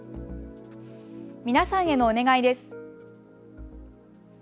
皆さんへのお願いです。